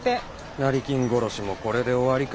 成金殺しもこれで終わりか。